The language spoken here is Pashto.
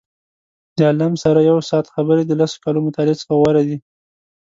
د عالم سره یو ساعت خبرې د لسو کالو مطالعې څخه غوره دي.